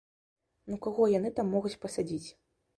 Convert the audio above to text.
Ну каго яны там могуць пасадзіць?